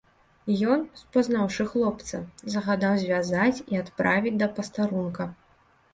Ён, спазнаўшы хлопца, загадаў звязаць і адправіць да пастарунка.